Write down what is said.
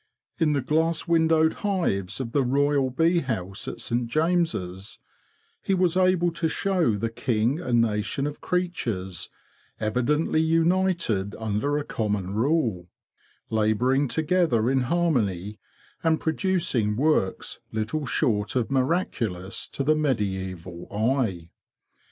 In the glass windowed hives of the Royal bee house at Saint James's, he was able to show the King a nation of creatures evidently united under a common rule, labouring together in harmony and producing works little short of miraculous to the medizval eye.